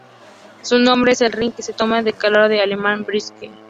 Su nombre en el ring se toma del acorazado alemán Bismarck.